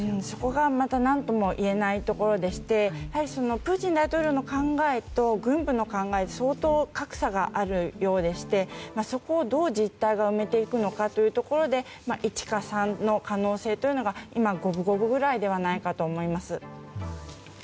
そこがまた何とも言えないところでしてプーチン大統領の考えと軍部の考えが相当格差があるようでしてそこをどう実体が埋めていくのかというところで１か３の可能性というのが今、五分五分ぐらいではないかと思います。